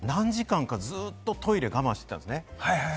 でもね、何時間か、ずっとトイレ我慢していたんですね。